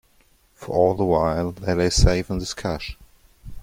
For all the while they lay safe in this cache.